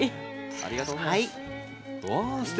ありがとうございます。